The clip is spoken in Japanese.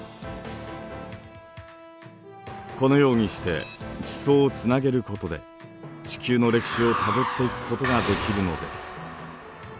このようにして地層をつなげることで地球の歴史をたどっていくことができるのです。